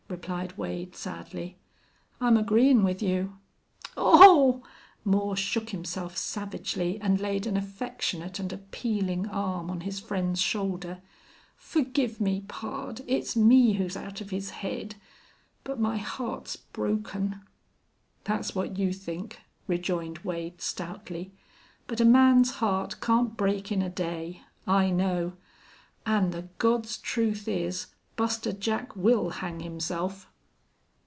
replied Wade, sadly. "I'm agreein' with you." "Aw!" Moore shook himself savagely and laid an affectionate and appealing arm on his friend's shoulder. "Forgive me, pard!... It's me who's out of his head.... But my heart's broken." "That's what you think," rejoined Wade, stoutly. "But a man's heart can't break in a day. I know.... An' the God's truth is Buster Jack will hang himself!"